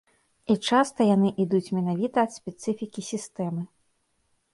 І часта яны ідуць менавіта ад спецыфікі сістэмы.